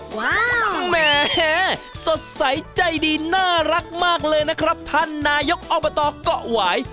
แหมสดใสใจดีน่ารักมากเลยนะครับท่านนายกอบตเกาะหวาย